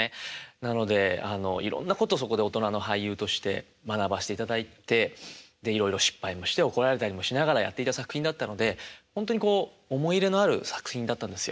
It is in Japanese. なのでいろんなことそこで大人の俳優として学ばせていただいていろいろ失敗もして怒られたりもしながらやっていた作品だったのでほんとにこう思い入れのある作品だったんですよ。